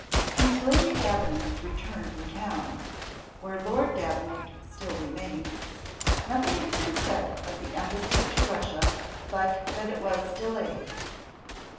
Since Lady Davenant's return from town, where Lord Davenant still remained, nothing had been said of the embassy to Russia but that it was delayed.